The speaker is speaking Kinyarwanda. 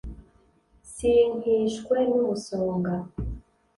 sinkishwe n'umusonga